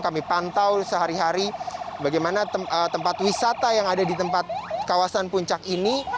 kami pantau sehari hari bagaimana tempat wisata yang ada di tempat kawasan puncak ini